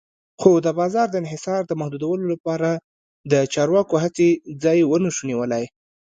خو د بازار د انحصار د محدودولو لپاره د چارواکو هڅې ځای ونشو نیولی.